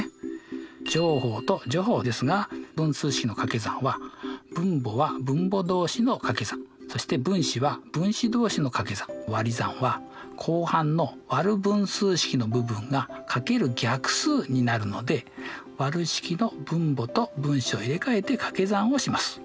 乗法と除法ですが分数式のかけ算は分母は分母同士のかけ算そして分子は分子同士のかけ算わり算は後半のわる分数式の部分がかける逆数になるのでわる式の分母と分子を入れ替えてかけ算をします。